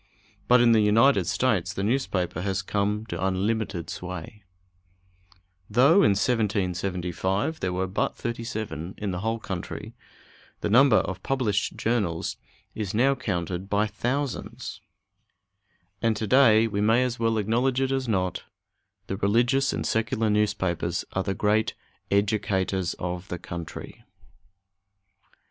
But in the United States the newspaper has come to unlimited sway. Though in 1775 there were but thirty seven in the whole country, the number of published journals is now counted by thousands; and to day we may as well acknowledge it as not the religious and secular newspapers are the great educators of the country.